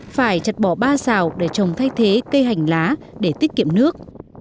phải chặt bỏ ba xào để trồng thay thế cây hành lá để tiết kiệm nước